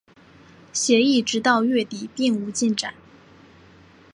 协议直到月底并无进展。